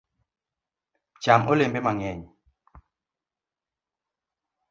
Cham olembe mang’eny